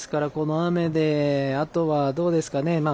雨であとはどうですかね